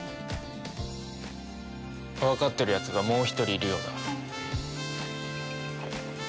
わかってるやつがもう１人いるようだ。